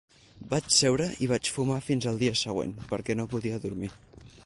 Vaig seure i vaig fumar fins al dia següent, perquè no podia dormir.